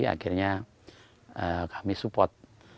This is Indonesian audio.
akhirnya kami support